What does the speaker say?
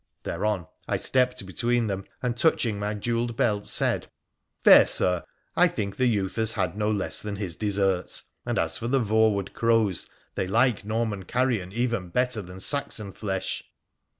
Thereon I stepped between them, and, touching my jewelled belt, said: 'Fair Sir, I think the youth has had no less than his deserts, and as for the Voewood crows they like Norman carrion even better than Saxon flesh.'